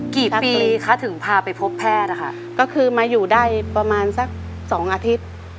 กี่ปีคะถึงพาไปพบแพทย์อะค่ะก็คือมาอยู่ได้ประมาณสักสองอาทิตย์